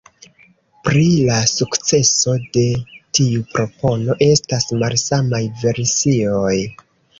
Pri la sukceso de tiu propono estas malsamaj versioj.